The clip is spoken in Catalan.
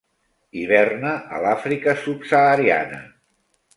Hiverna a l'Àfrica subsahariana.